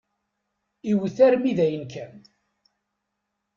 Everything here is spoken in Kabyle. Iwet armi dayen kan.